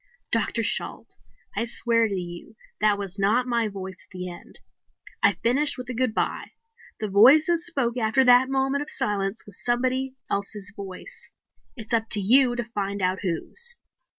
"Dr. Shalt, I swear to you that was not my voice at the end. I finished with a goodbye. The voice that spoke after that moment of silence was somebody else's voice. It's up to you to find out whose."